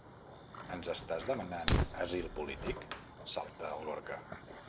Ens estàs demanant asil polític? —salta el Gorka.